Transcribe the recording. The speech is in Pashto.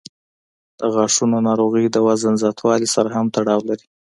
د غاښونو ناروغۍ د وزن زیاتوالي سره هم تړاو لري.